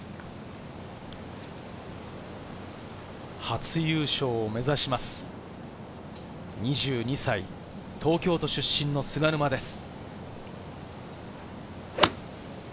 初優勝を目指します、２２歳、東京都出身の菅沼です。